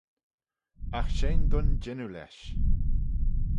Agh shegin dooin jannoo lesh.